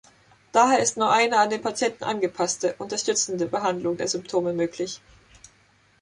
Daher ist nur eine an den Patienten angepasste, unterstützende Behandlung der Symptome möglich.